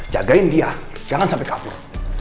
jagain dia jangan sampai kabur